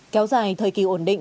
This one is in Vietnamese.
kéo dài thời kỳ ổn định